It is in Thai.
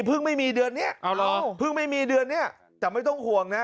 ไม่มีเดือนนี้เพิ่งไม่มีเดือนนี้แต่ไม่ต้องห่วงนะ